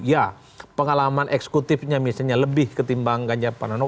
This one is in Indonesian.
ya pengalaman eksekutifnya misalnya lebih ketimbang ganjar pranowo